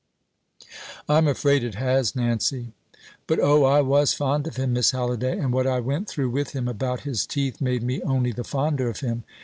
"I'm afraid it has, Nancy." "But, O, I was fond of him, Miss Halliday; and what I went through with him about his teeth made me only the fonder of him.